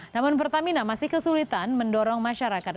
namun pertamina masih kesulitan mendorong masyarakat